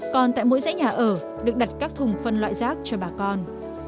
còn tại mỗi dãy nhà ở được đặt các thùng phân loại rác cho bà con